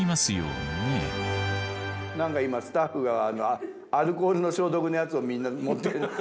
何か今スタッフがアルコールの消毒のやつをみんな持ってる。